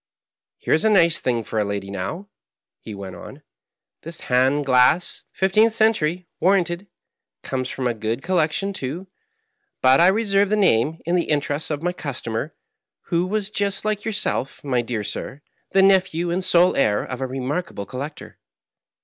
Here is a nice thing for a lady, now," he went on, "this hand glass — ^fifteenth century, warranted — comes from a good collection, too; but I reserve the name, in the interests of my customer, who was just like yourself, my dear sir, the nephew and sole heir of a remarkable collector."